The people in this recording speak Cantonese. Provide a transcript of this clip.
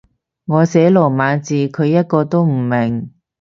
我寫羅馬字，佢一個都唔明